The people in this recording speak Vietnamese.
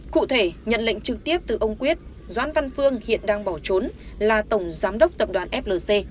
cụ thể nhận lệnh trực tiếp từ ông quyết doãn văn phương hiện đang bỏ trốn là tổng giám đốc tập đoàn flc